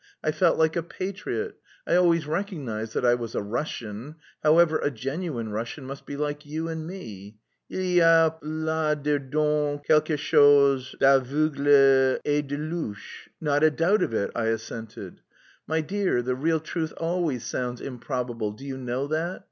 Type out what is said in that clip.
I felt like a patriot. I always recognised that I was a Russian, however... a genuine Russian must be like you and me. Il y a là dedans quelque chose d'aveugle et de louche." "Not a doubt of it," I assented. "My dear, the real truth always sounds improbable, do you know that?